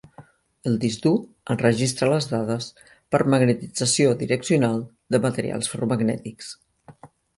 El disc dur enregistra les dades per magnetització direccional de materials ferromagnètics.